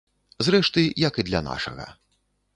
Зрэшты, як і для нашага.